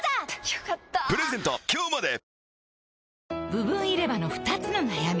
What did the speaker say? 部分入れ歯の２つの悩み